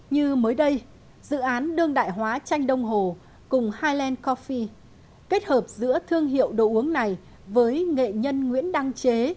như mới đây dự án đương đại hóa tranh đông hồ cùng hiland coffi kết hợp giữa thương hiệu đồ uống này với nghệ nhân nguyễn đăng chế